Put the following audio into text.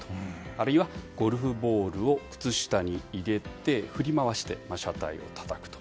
あるいはゴルフボールを靴下に入れて振り回して車体をたたくと。